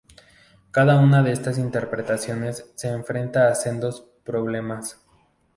Cada una de estas interpretaciones se enfrenta a sendos problemas.